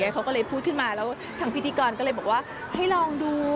เขาก็เลยพูดขึ้นมาแล้วทางพิธีกรก็เลยบอกว่าให้ลองดู